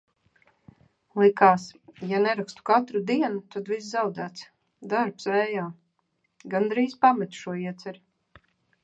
Likās, ja nerakstu katru dienu, tad viss zaudēts, darbs vējā. Gandrīz pametu šo ieceri.